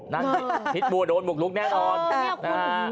นั่นพิษบูรณ์โดนหมุกลุกแน่นอน